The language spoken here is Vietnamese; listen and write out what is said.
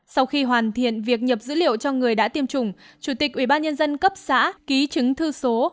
sau khi hoàn thiện việc nhập dữ liệu cho người đã tiêm chủng chủ tịch ubnd cấp xã ký chứng thư số